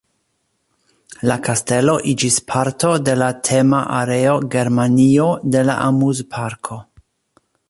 La kastelo iĝis parto de la tema areo "Germanio" de la amuzparko.